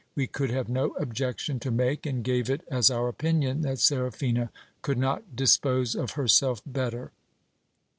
We could have no objection to make, and gave it as our opinion that Seraphina could not dispose of herself better.